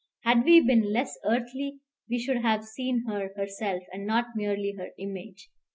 Had we been less earthly, we should have seen her herself, and not merely her image.